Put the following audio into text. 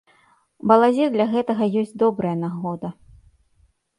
Балазе для гэтага ёсць добрая нагода.